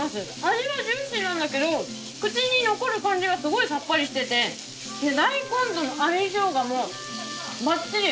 味はジューシーなんだけど口に残る感じがすごいサッパリしてて大根との相性がもうばっちり。